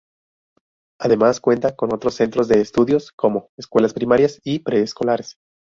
Además cuentas con otros Centros de Estudios como: Escuelas Primarias y Preescolares.